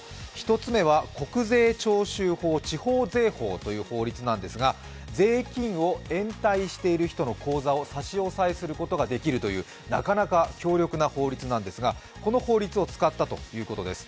１つ目は国税徴収法地方税法という法律なんですが、税金を延滞している人の口座を差し押さえすることができるという、なかなか強力な法律なんですがこの法律を使ったということです。